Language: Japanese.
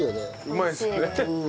うまいですね。